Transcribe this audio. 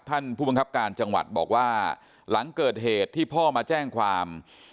ผู้บังคับการจังหวัดบอกว่าหลังเกิดเหตุที่พ่อมาแจ้งความ